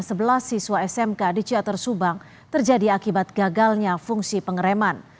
sebelas siswa smk di ciater subang terjadi akibat gagalnya fungsi pengereman